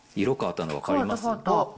色変わったの分かりますか？